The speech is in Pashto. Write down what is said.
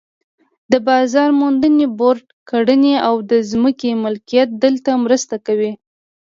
د بازار موندنې بورډ کړنې او د ځمکو مالکیت دلته مرسته کوي.